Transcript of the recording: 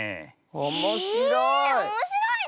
おもしろい！